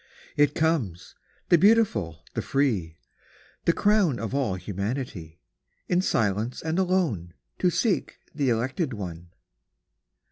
It comes, — the beautiful, the free, Tl: >wn of all humanity, — In silence and alone 2Q To seek the elected one.